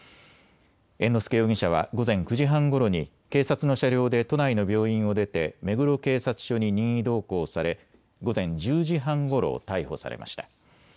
猿之助容疑者は午前９時半ごろに警察の車両で都内の病院を出て目黒警察署に任意同行され午前１０時半ごろ逮捕されました。